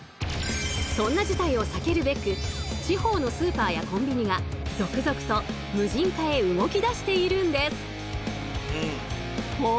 そんな事態を避けるべく地方のスーパーやコンビニが続々と無人化へ動き出しているんです。